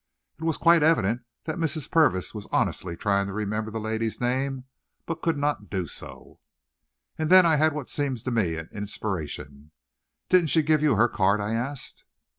It was quite evident that Mrs. Purvis was honestly trying to remember the lady's name, but could not do so. And then I had what seemed to me an inspiration. "Didn't she give you her card?" I asked.